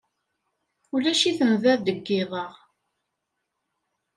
Ulac-iten da deg yiḍ-a.